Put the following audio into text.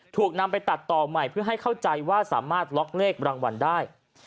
ถูกนำไปตัดต่อใหม่เพื่อให้เข้าใจว่าสามารถล็อกเลขรางวัลได้